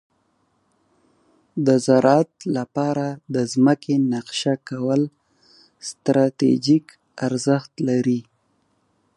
د زراعت لپاره د ځمکې نقشه کول ستراتیژیک ارزښت لري.